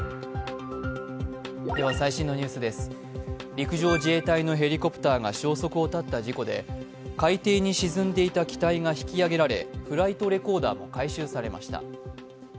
陸上自衛隊のヘリコプターが消息を絶った事故で海底に沈んでいた機体が引き揚げられフライトレコーダーも回収されました。